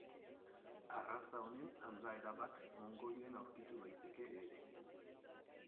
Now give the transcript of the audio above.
Arraza honen aldaera bat Mongolian aurkitu daiteke ere.